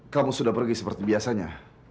kamu sudah pergi seperti biasanya